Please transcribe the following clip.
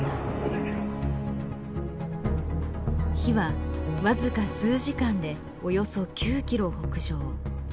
火は僅か数時間でおよそ９キロ北上。